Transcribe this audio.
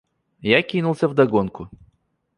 Я кинулся вдогонку.